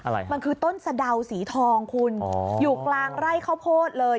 อะไรมันคือต้นสะดาวสีทองคุณอยู่กลางไร่ข้าวโพดเลย